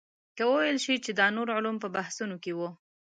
که وویل شي چې دا نور علوم په بحثونو کې وو.